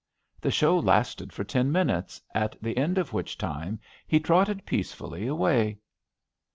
The show lasted for ten min utes, at the end of which time he trotted peace fully away.